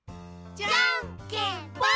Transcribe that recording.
じゃんけんぽん！